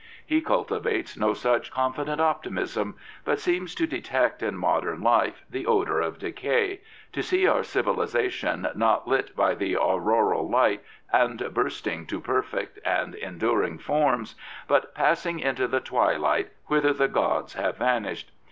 He cultivates no such confident optimism, but seems to detect in modem life the odour of decay, to see our civilisation not lit by the auroral light and bursting to perfect and enduring form§, but passing into the twilight whither the gods have vanished.